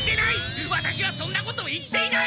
ワタシはそんなこと言っていない！